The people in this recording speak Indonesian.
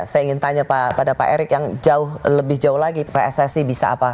saya ingin tanya pada pak erick yang jauh lebih jauh lagi pssi bisa apa